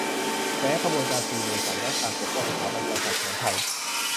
แฉขบวนการฟรีเมสัน และการปกป้องสถาบันกษัตริย์ของไทย